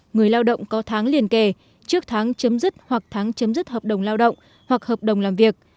người lao động có tháng liền kề trước tháng chấm dứt hoặc tháng chấm dứt hợp đồng lao động hoặc hợp đồng làm việc